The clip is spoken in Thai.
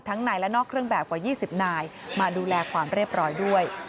ในและนอกเครื่องแบบกว่า๒๐นายมาดูแลความเรียบร้อยด้วย